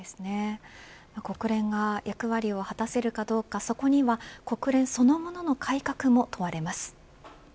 国連が役割を果たせるかどうかそこには国連そのものの改革も問われます。